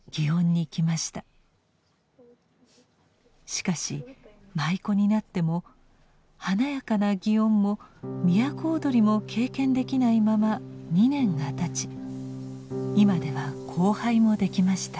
しかし舞妓になっても華やかな祇園も都をどりも経験できないまま２年がたち今では後輩もできました。